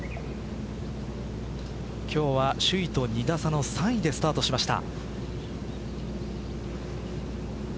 今日は首位と２打差の３位でスタートしました。